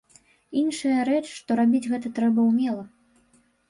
Іншая рэч, што рабіць гэта трэба ўмела.